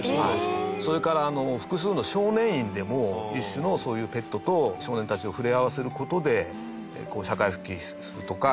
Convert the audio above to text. それから、複数の少年院でも一種の、そういうペットと少年たちを触れ合わせる事で社会復帰するとか。